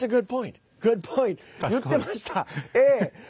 言ってました。